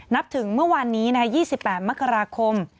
นับถึงเมื่อวานนี้๒๘มกราคม